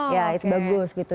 ya bagus gitu